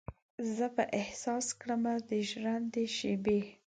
زه به احساس کړمه د ژرندې شیبې